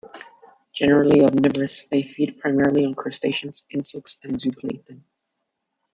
Generally omnivorous, they feed primarily on crustaceans, insects, and zooplankton.